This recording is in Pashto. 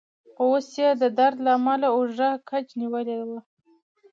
خو اوس يې د درد له امله اوږه کج نیولې وه.